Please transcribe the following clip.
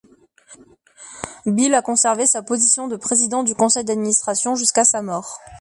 Bill a conservé sa position de président du conseil d'administration jusqu'à sa mort.